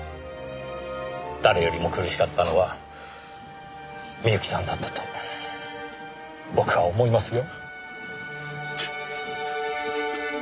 誰よりも苦しかったのは深雪さんだったと僕は思いますよ。